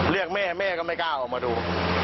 เรียกแม่แม่ก็ไม่กล้าออกมาดู